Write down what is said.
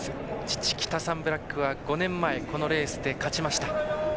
父、キタサンブラックは５年前このレースで勝ちました。